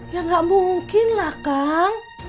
ya nggak mungkin lah kang